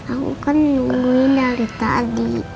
aku kan nungguin dari tadi